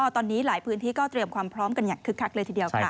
ตอนนี้หลายพื้นที่ก็เตรียมความพร้อมกันอย่างคึกคักเลยทีเดียวค่ะ